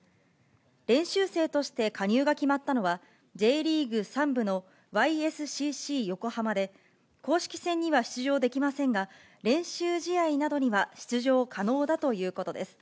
練習生として加入が決まったのは、Ｊリーグ３部のＹ．Ｓ．Ｃ．Ｃ．横浜で、公式戦には出場できませんが、練習試合などには出場可能だということです。